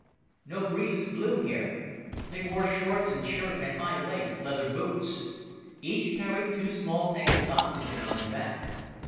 No breezes blew here. They wore shorts and shirts and high laced leather boots. Each carried two small tanks of oxygen on his back.